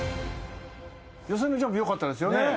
予選のジャンプよかったですよね。